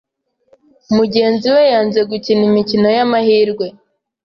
Mugenzi we yanze gukina imikino y’amahirwe,